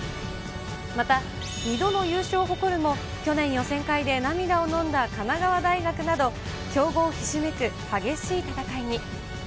また、２度の優勝を誇るも去年予選会で涙をのんだ神奈川大学など、強豪ひしめく激しい戦いに。